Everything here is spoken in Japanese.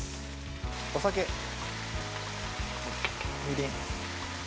お酒、みりん。